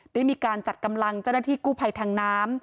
ได้มีการจัดกำลังเจ้าหน้าที่กู้ภัยทางน้ำ